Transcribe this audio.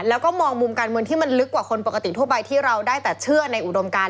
แล้วก็มองมุมการเมืองที่มันลึกกว่าคนปกติทั่วไปที่เราได้แต่เชื่อในอุดมการ